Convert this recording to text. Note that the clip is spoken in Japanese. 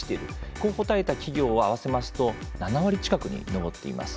こう答えた企業は合わせますと７割近くに上っています。